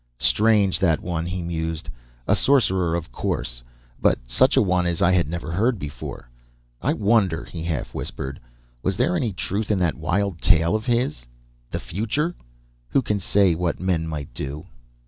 "Strange, that one," he mused. "A sorcerer, of course, but such a one as I had never heard before. I wonder," he half whispered, "was there any truth in that wild tale of his? The future who can say what men might do